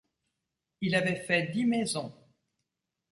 Il avait fait dix maisons.